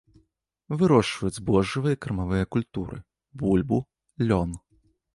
Вырошчваюць збожжавыя і кармавыя культуры, бульбу, лён.